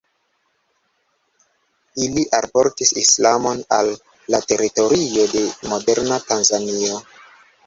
Ili alportis islamon al la teritorio de moderna Tanzanio.